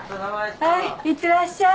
はいいってらっしゃい。